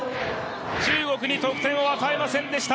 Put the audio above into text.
中国に得点を与えませんでした。